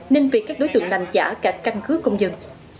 nên việc các đối tượng làm giả cả căn cứ công dân